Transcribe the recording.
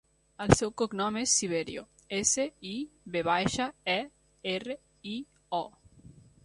El seu cognom és Siverio: essa, i, ve baixa, e, erra, i, o.